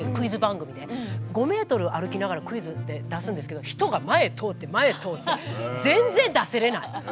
５ｍ歩きながら「クイズ」って出すんですけど人が前通って前通って全然出せれない！